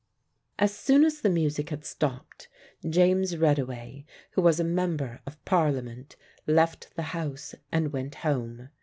As soon as the music had stopped, James Reddaway, who was a Member of Parliament, left the house and went home.